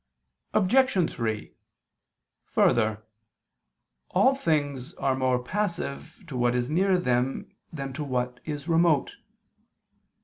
Obj. 3: Further, all things are more passive to what is near them than to what is remote.